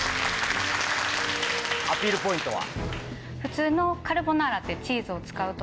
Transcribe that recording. アピールポイントは？